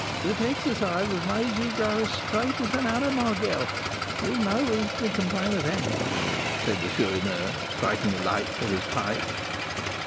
"But exercise has made you grow as straight as an arrow, my girl; you have no reason to complain of that," said the Chourineur, striking a light for his pipe.